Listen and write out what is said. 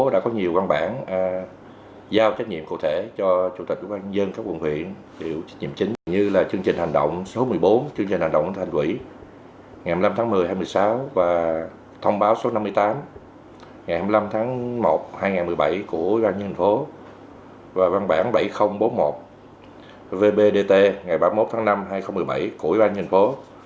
và văn bản bảy nghìn bốn mươi một vbdt ngày ba mươi một tháng năm hai nghìn một mươi bảy của ủy ban nhân thành phố